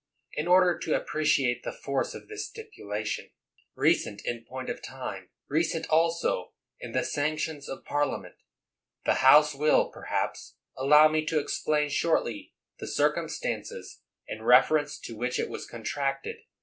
In order to appreciate the force of this stipu lation — recent in point of time, recent, also, in the sanction of Parliament — the House will, per haps, allow me to explain shortly the circum stances in reference to which it was contracted.